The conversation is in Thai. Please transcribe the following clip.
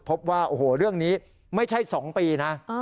พบว่าโอ้โหเรื่องนี้ไม่ใช่๒ปีนะ